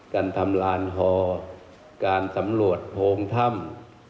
การทำลานฮอการสำรวจโพงถ้ำ